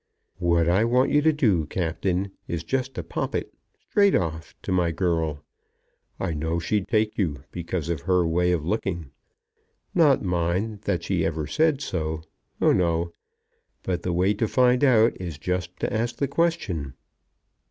"What I want you to do, Captain, is just to pop it, straight off, to my girl. I know she'd take you, because of her way of looking. Not, mind, that she ever said so. Oh, no. But the way to find out is just to ask the question."